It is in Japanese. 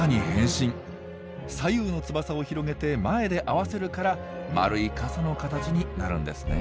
左右の翼を広げて前で合わせるから丸い傘の形になるんですね。